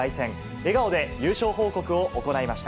笑顔で優勝報告を行いました。